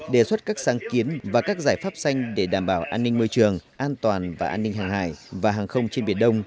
đề xuất các sáng kiến và các giải pháp xanh để đảm bảo an ninh môi trường an toàn và an ninh hàng hải và hàng không trên biển đông